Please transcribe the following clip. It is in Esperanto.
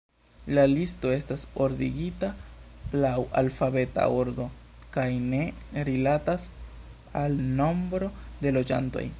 La listo estas ordigita laŭ alfabeta ordo kaj ne rilatas al nombro de loĝantoj.